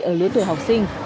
ở lứa tuổi học sinh